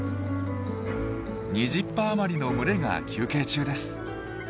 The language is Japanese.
２０羽余りの群れが休憩中です。